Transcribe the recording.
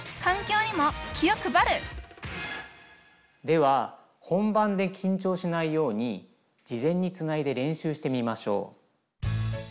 では本番で緊張しないように事前につないで練習してみましょう。